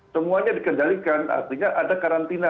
semuanya dikendalikan artinya ada karantina